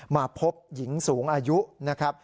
มาพบหญิงสูงอายุนะครับ